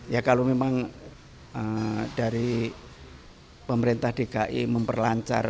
ya kalau memang dari pemerintah dki memperlancar